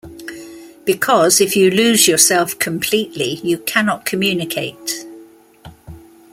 Because if you lose yourself completely, you cannot communicate.